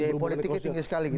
biaya politiknya tinggi sekali gitu